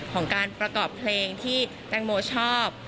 ของการประกอบเพลงที่แตงโมชอบ